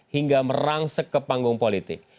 hingga merangsek ke panggung politik